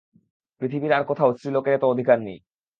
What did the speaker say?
পৃথিবীর আর কোথাও স্ত্রীলোকের এত অধিকার নাই।